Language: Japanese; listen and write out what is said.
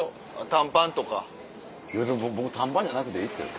短パンじゃなくていいですけど。